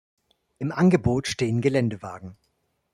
Im Angebot stehen Geländewagen.